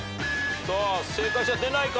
正解者出ないか？